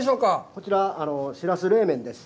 こちらは、しらす冷麺です。